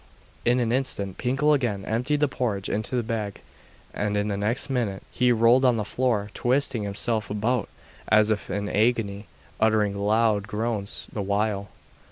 In an instant Pinkel again emptied the porridge into the bag, and the next minute he rolled on the floor, twisting himself about as if in agony, uttering loud groans the while.